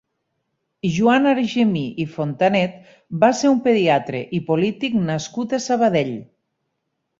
Joan Argemí i Fontanet va ser un pediatre i polític nascut a Sabadell.